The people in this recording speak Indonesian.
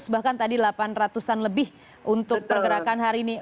sebelas delapan ratus bahkan tadi delapan ratus an lebih untuk pergerakan hari ini